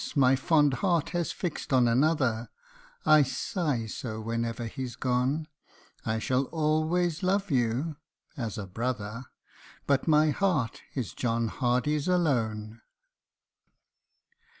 my fond heart has fixed on another, (I sigh so whenever he's gone,) I shall always love you as a brother, But my heart is John Hardy's alone.